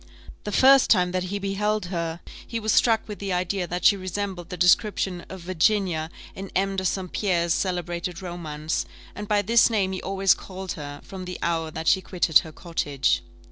The first time that he beheld her, he was struck with the idea that she resembled the description of Virginia in M. de St. Pierre's celebrated romance; and by this name he always called her, from the hour that she quitted her cottage.